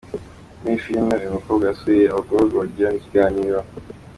Muri iyi filime uyu mukobwa yasuye abagororwa bagirana ikiganiro.